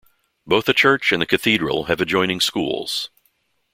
Both the church and the cathedral have adjoining schools.